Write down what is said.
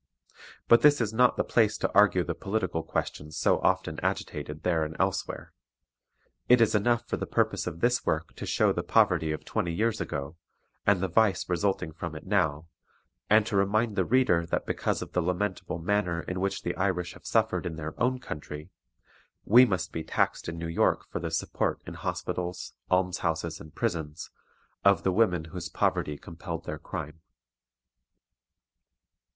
But this is not the place to argue the political questions so often agitated there and elsewhere; it is enough for the purpose of this work to show the poverty of twenty years ago, and the vice resulting from it now, and to remind the reader that because of the lamentable manner in which the Irish have suffered in their own country, we must be taxed in New York for the support in hospitals, alms houses, and prisons, of the women whose poverty compelled their crime.